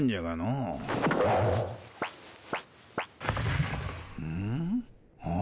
うん。